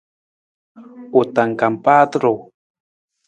U tangkang paata ruu.